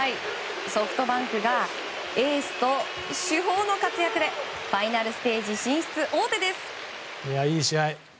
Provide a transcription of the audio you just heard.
ソフトバンクがエースと主砲の活躍でファイナルステージ進出王手です。